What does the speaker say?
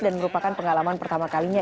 dan merupakan pengalaman pertama kalinya